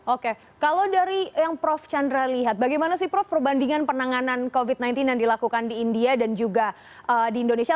oke kalau dari yang prof chandra lihat bagaimana sih prof perbandingan penanganan covid sembilan belas yang dilakukan di india dan juga di indonesia